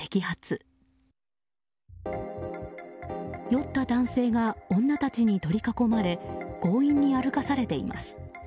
酔った男性が女たちに取り囲まれ強引に歩かされています。